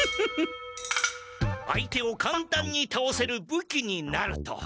相手をかんたんにたおせる武器になると。